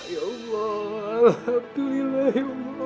ya allah alhamdulillah ya allah ma